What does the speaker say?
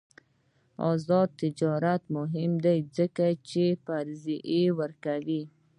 آزاد تجارت مهم دی ځکه چې قرضې ورکوي.